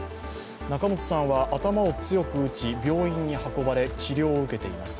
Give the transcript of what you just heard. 仲本さんは頭を強く打ち、病院に運ばれ、治療を受けています。